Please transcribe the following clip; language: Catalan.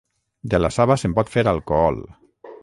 De la saba se'n pot fer alcohol.